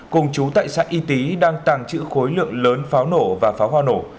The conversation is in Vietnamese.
cùng chú tại xã y tý đang tàng trữ khối lượng lớn pháo nổ và pháo hoa nổ